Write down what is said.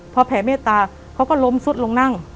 พอแผ่เมตตาเขาก็ล้มสุดลงนั่ง